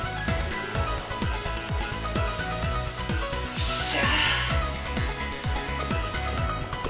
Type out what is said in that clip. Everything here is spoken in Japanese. よっしゃ！